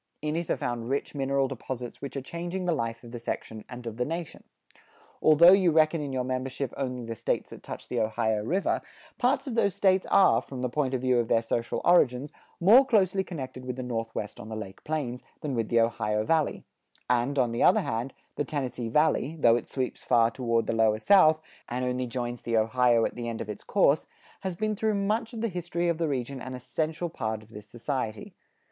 In it are found rich mineral deposits which are changing the life of the section and of the nation. Although you reckon in your membership only the states that touch the Ohio River, parts of those states are, from the point of view of their social origins, more closely connected with the Northwest on the Lake Plains, than with the Ohio Valley; and, on the other hand, the Tennessee Valley, though it sweeps far toward the Lower South, and only joins the Ohio at the end of its course, has been through much of the history of the region an essential part of this society.